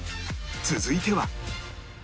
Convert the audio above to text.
続いては